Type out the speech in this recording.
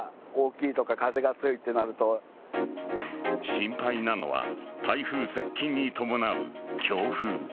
心配なのは台風接近に伴う強風。